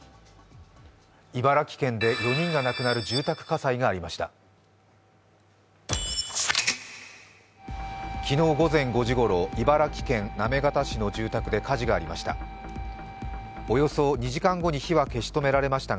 茨城県で４人が亡くなる住宅火災がありました。